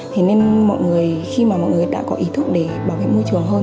thế nên khi mọi người đã có ý thức để bảo vệ môi trường hơn